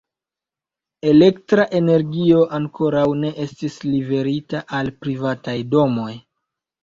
Elektra energio ankoraŭ ne estis liverita al privataj domoj.